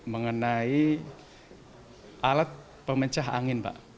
mengenai alat pemecah angin pak